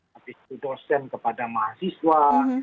habis itu dosen kepada mahasiswa